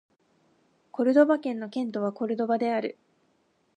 コルドバ県の県都はコルドバである